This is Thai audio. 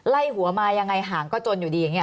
ไล่หัวมายังไงหางก็จนอยู่ดีอย่างนี้